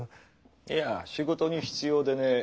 いや仕事に必要でね。